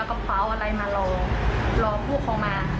เหมือนเขาจะวิ่งแล้วก็วิ่งตาม